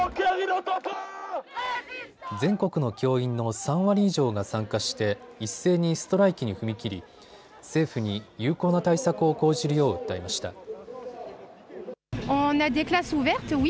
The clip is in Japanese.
全国の教員の３割以上が参加して一斉にストライキに踏み切り政府に有効な対策を講じるよう訴えました。